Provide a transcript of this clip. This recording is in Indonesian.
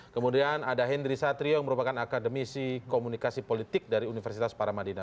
kemudian ada hendry satrio yang merupakan akademisi komunikasi politik dari universitas paramadina